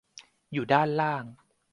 อยู่ด้านล่าง